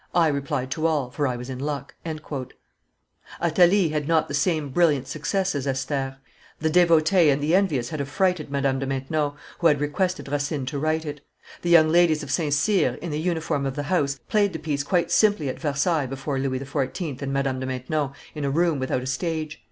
I replied to all, for I was in luck." Athalie had not the same brilliant success as Esther. The devotees and the envious had affrighted Madame de Maintenon, who had requested Racine to write it. The young ladies of St. Cyr, in the uniform of the house, played the piece quite simply at Versailles before Louis XIV. and Madame de Maintenon, in a room without a stage.